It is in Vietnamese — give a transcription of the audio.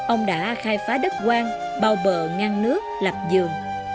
ông đã khai phá đất quang bao bờ ngăn nước lập giường